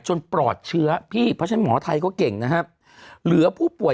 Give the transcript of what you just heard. ปลอดเชื้อพี่เพราะฉะนั้นหมอไทยก็เก่งนะครับเหลือผู้ป่วย